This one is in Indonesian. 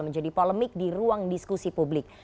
menjadi polemik di ruang diskusi publik